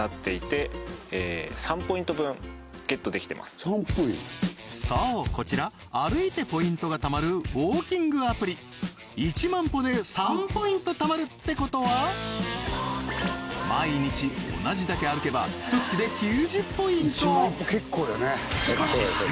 このはい実はこの日そうこちら歩いてポイントが貯まるウォーキングアプリ１万歩で３ポイント貯まるってことは毎日同じだけ歩けばひと月で９０ポイントしかしえ！？